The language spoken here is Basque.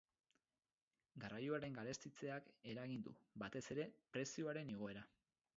Garraioaren garestitzeak eragin du, batez ere, prezioen igoera.